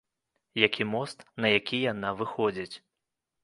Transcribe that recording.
Як і мост, на які яна выходзіць.